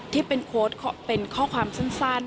ที่เป็นข้อความสั้น